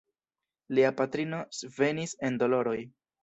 Lia patrino svenis en doloroj.